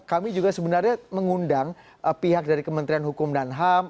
kami juga sebenarnya mengundang pihak dari kementerian hukum dan ham